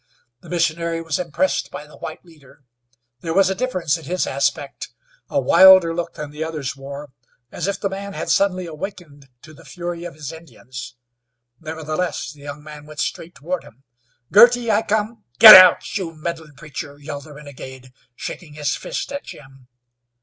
The missionary was impressed by the white leader. There was a difference in his aspect, a wilder look than the others wore, as if the man had suddenly awakened to the fury of his Indians. Nevertheless the young man went straight toward him. "Girty, I come " "Git out! You meddlin' preacher!" yelled the renegade, shaking his fist at Jim.